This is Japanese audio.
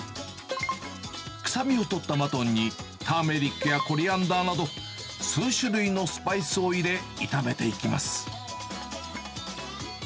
臭みを取ったマトンに、ターメリックやコリアンダーなど、数種類のスパイスを入れ、炒めていきます。